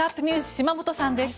島本さんです。